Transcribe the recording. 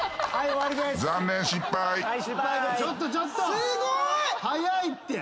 すごい。